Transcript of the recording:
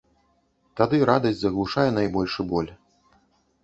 Тады радасць заглушае найбольшы боль.